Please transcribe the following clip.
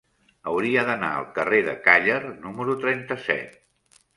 Hauria d'anar al carrer de Càller número trenta-set.